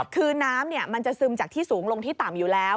คือน้ำมันจะซึมจากที่สูงลงที่ต่ำอยู่แล้ว